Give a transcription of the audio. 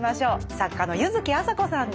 作家の柚木麻子さんです。